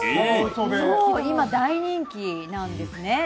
今、大人気なんですね。